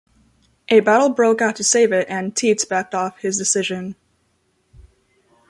A battle broke out to save it, and Tietz backed off his decision.